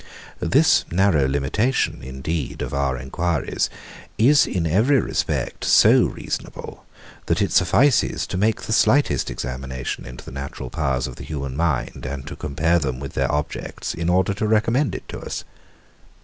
This narrow limitation, indeed, of our enquiries, is, in every respect, so reasonable, that it suffices to make the slightest examination into the natural powers of the human mind and to compare them with their objects, in order to recommend it to us.